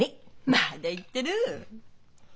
まだ言ってる。